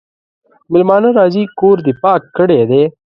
مېلمانه راځي کور دي پاک کړی دی؟